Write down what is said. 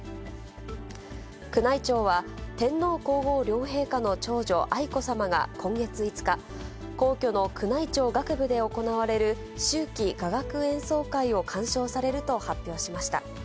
宮内庁は、天皇皇后両陛下の長女、愛子さまが今月５日、皇居の宮内庁楽部で行われる秋季雅楽演奏会を鑑賞されると発表しました。